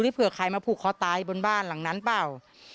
เผื่อใครมาผูกคอตายบนบ้านหลังนั้นเปล่า